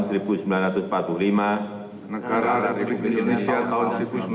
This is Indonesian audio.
negara republik indonesia tahun seribu sembilan ratus empat puluh lima